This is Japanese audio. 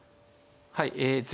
はい。